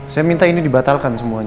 kayak dia ada di sintarsan